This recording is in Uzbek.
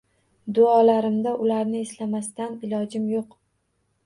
Duolarimda ularni eslamasdan ilojim yoʻq.